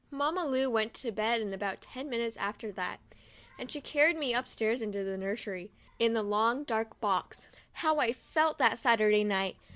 Mamma Lu went to bed in about ten minutes after that, and she carried me upstairs into the nursery, and left me all night alone, in the long dark box. How I felt that Saturday night